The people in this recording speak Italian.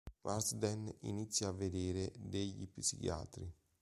Marsden inizia a vedere degli psichiatri.